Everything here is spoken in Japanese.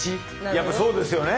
やっぱそうですよね。